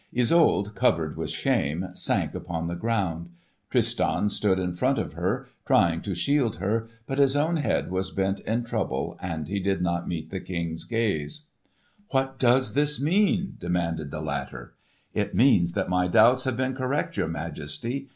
Isolde, covered with shame, sank upon the ground. Tristan stood in front of her trying to shield her, but his own head was bent in trouble and he did not meet the King's gaze. [Illustration: Tristan and Isolde Stella Langdale] "What does this mean?" demanded the latter. "It means that my doubts have been correct, your Majesty!"